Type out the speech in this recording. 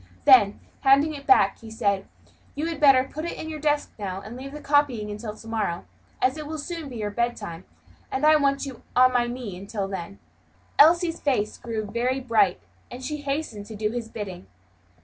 Then, handing it back, he said, "You had better put it in your desk now, and leave the copying until to morrow, as it will soon be your bedtime, and I want you on my knee until then." Elsie's face grew very bright, and she hastened to do his bidding.